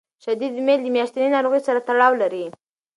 شدید میل د میاشتنۍ ناروغۍ سره تړاو لري.